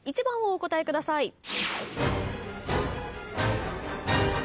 １番をお答えください。